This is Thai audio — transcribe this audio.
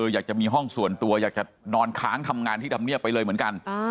อยากจะมีห้องส่วนตัวอยากจะนอนค้างทำงานที่ทำเนียบไปเลยเหมือนกัน